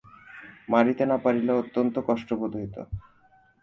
মারিতে না পারিলে অত্যন্ত কষ্ট বোধ হইত।